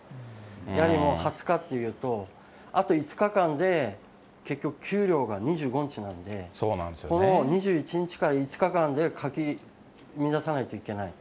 やはりもう２０日というと、あと５日間で、結局、給料が２５日なんで、この２１日から５日間でかきみださないといけない。